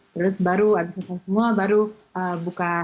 terus baru habis itu semua baru buka hadiah